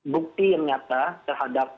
bukti yang nyata terhadap